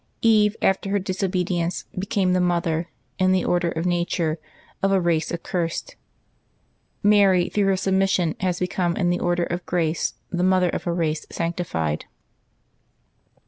Eve, after her dis obedience, became the mother, in the order of nature, of a race accursed; Mary, through her submission, has become, in the order of grace, the Mother of a race sanctified.